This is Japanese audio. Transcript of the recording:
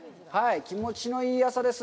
気持ちのいい朝です。